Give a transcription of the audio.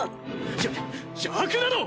じゃ「邪悪なの」